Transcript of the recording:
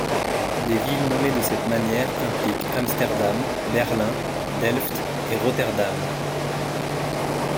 Des villes nommées de cette manière impliquent Amsterdam, Berlin, Delft et Rotterdam.